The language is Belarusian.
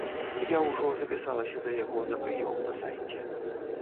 Я ўжо запісаўся да яго на прыём на сайце.